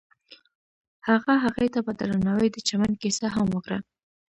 هغه هغې ته په درناوي د چمن کیسه هم وکړه.